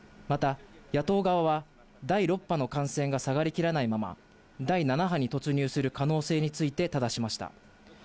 また、野党側は第６波の感染が下がりきらないまま、第７波に突入する可能性についてただしました。